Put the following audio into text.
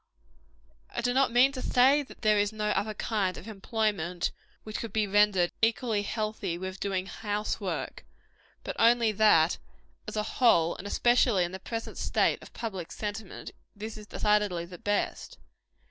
I do not mean to say, that there is no other kind of employment which could be rendered equally healthy with doing house work; but only that, as a whole, and especially in the present state of public sentiment, this is decidedly the best.